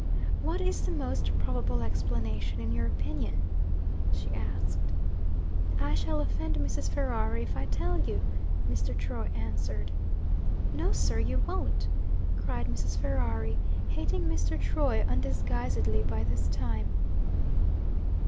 'What is the most probable explanation, in your opinion?' she asked. 'I shall offend Mrs. Ferrari if I tell you,' Mr. Troy answered. 'No, sir, you won't!' cried Mrs. Ferrari, hating Mr. Troy undisguisedly by this time.